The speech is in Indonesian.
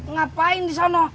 ngapain di sana